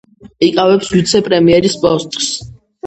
იკავებს ვიცე-პრემიერის პოსტს.